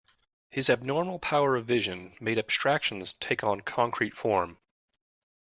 His abnormal power of vision made abstractions take on concrete form.